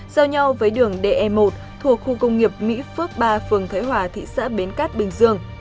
giao nhau với đường de một thuộc khu công nghiệp mỹ phước ba phường thới hòa thị xã bến cát bình dương